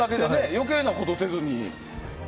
余計なことせずに。